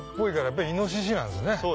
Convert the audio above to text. やっぱりイノシシなんですね。